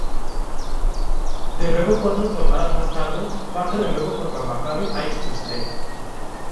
De nuevo cuatro jornadas más tarde marca de nuevo contra Maccabi Ahí Nazareth.